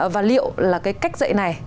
và liệu là cách dạy này